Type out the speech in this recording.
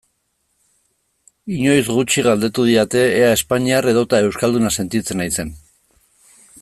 Inoiz gutxi galdetu didate ea espainiar edota euskalduna sentitzen naizen.